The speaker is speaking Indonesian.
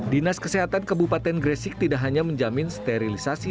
dinas kesehatan kabupaten gresik tidak hanya menjamin sterilisasi